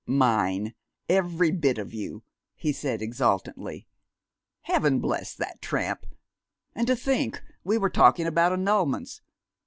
"Mine, every bit of you!" he said exultantly. "Heaven bless that tramp!... And to think we were talking about annulments!...